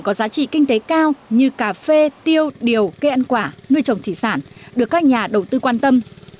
có giá trị kinh tế cao như cà phê tiêu điều cây ăn quả nuôi trồng thủy sản được các nhà đầu tư quan tâm